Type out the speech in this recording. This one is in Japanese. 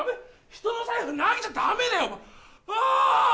人の財布を投げちゃだめだよ。